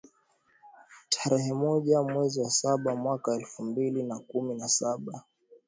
tarehe moja mwezi wa saba mwaka elfu mbili na kumi na saba